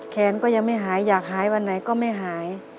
แขนก็ยังไม่หายอยากหายวันไหนก็ไม่หาย